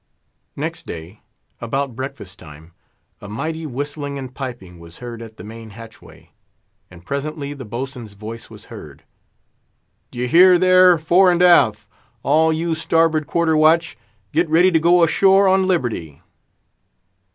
Next day, about breakfast time, a mighty whistling and piping was heard at the main hatchway, and presently the boatswain's voice was heard: "D'ye hear there, fore and aft! all you starboard quarter watch! get ready to go ashore on liberty!"